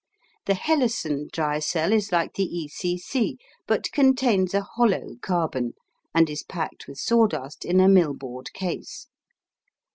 The Hellesen dry cell is like the "E. C. C.," but contains a hollow carbon, and is packed with sawdust in a millboard case.